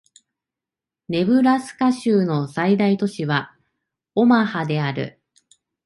ネブラスカ州の最大都市はオマハである